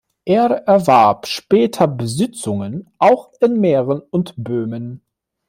Es erwarb später Besitzungen auch in Mähren und Böhmen.